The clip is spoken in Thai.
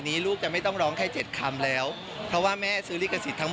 ดีฉันก็ได้คุยกับแม่เอเหมือนกัน